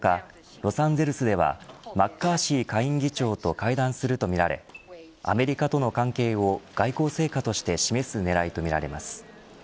ロサンゼルスではマッカーシー下院議長と会談するとみられアメリカとの関係を外交成果として示すねらいとみられます。